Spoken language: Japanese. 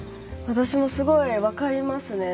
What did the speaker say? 私もすごい分かりますね。